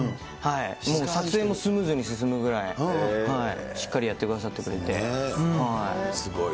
もう撮影もスムーズに進むぐらい、しっかりやってくださってくれて。